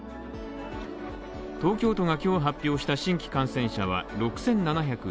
東京都が今日発表した新規感染者は６７１３人。